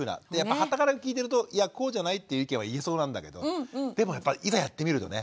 はたから聞いてるといやこうじゃない？っていう意見は言えそうなんだけどでもやっぱりいざやってみるとね